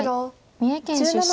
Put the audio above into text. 三重県出身。